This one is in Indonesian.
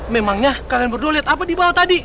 memangnya kalian berdua lihat apa di bawah tadi